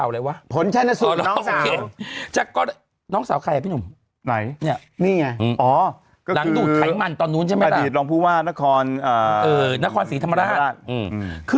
และน้องสาวใครไม่รู้ไงนี่ไงหลังดูดไข่มันนะคะอดีตรองฟุภาชนานครสีธรรมาราช